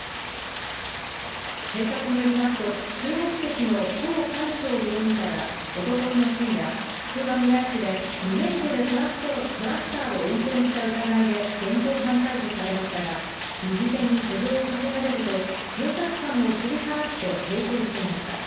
警察によりますと、中国籍の唐カイ祥容疑者はおとといの深夜、つくばみらい市で無免許でトラクターを運転した疑いで、現行犯逮捕されましたが、右手に手錠をかけられると、警察官を振り払って逃走していました。